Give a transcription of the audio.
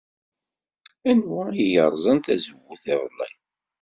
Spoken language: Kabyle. Anwa ay yerẓan tazewwut iḍelli?